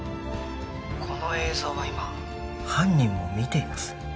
この映像は今犯人も見ています